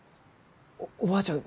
おばあちゃん